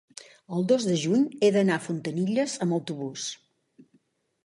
el dos de juny he d'anar a Fontanilles amb autobús.